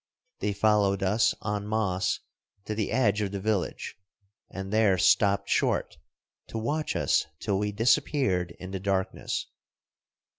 They followed us, en masse, to the edge of the village, and there stopped short, to watch us till we disappeared in the darkness.